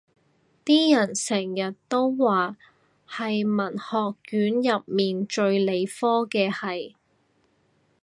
啲人成日都話係文學院入面最理科嘅系